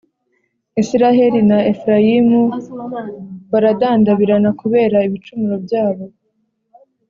Israheli na Efurayimu baradandabirana kubera ibicumuro byabo,